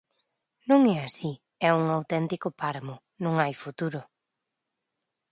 Non é así, é un auténtico páramo, non hai futuro.